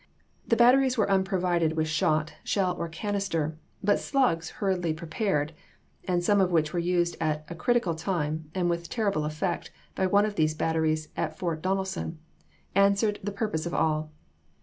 The bat teries were unprovided with shot, shell, or canister, but slugs hurriedly prepared — and some of which were used at a critical time and with terrible effect by one of these batteries at Fort Donelson — an swered the pm pose of all."